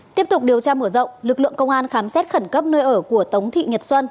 tiếp tục điều tra mở rộng lực lượng công an khám xét khẩn cấp nơi ở của tống thị nhật xuân